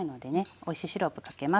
おいしいシロップかけます。